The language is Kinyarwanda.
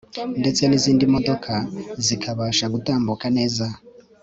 ndetse n'izindi modoka zikabasha gutambuka neza